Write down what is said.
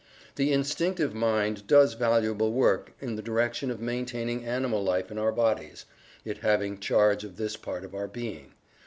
The Instinctive Mind does valuable work in the direction of maintaining animal life in our bodies, it having charge of this part of our being.